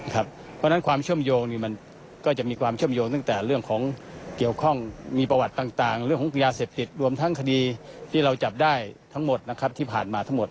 เพราะฉะนั้นความเชื่อมโยงมันก็จะมีความเชื่อมโยงตั้งแต่เรื่องของเกี่ยวข้องมีประวัติต่างเรื่องของยาเสพติดรวมทั้งคดีที่เราจับได้ทั้งหมดนะครับที่ผ่านมาทั้งหมด